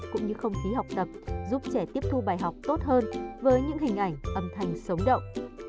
cũng như không khí học tập giúp trẻ tiếp thu bài học tốt hơn với những hình ảnh âm thanh sống động